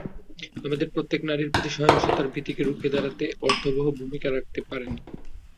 আমাদের প্রত্যেকেই নারীর প্রতি সহিংসতার ভীতিকে রুখে দাঁড়াতে অর্থবহ ভূমিকা রাখতে পারেন।